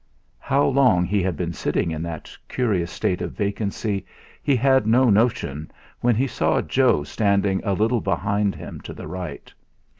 How long he had been sitting in that curious state of vacancy he had no notion when he saw Joe standing a little behind him to the right.